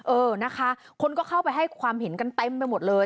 เออนะคะคนก็เข้าไปให้ความเห็นกันเต็มไปหมดเลย